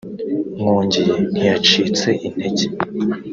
Mwongeye ntiyacitse intege